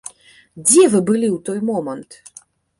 Дзе вы былі ў той момант?